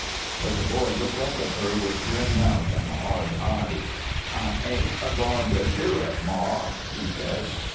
But the boy looked up at her with grim mouth and hard eyes. "I ain't a goin' to do it, Ma!" he said.